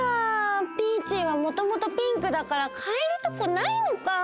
ピーチーはもともとピンクだからかえるとこないのかぁ。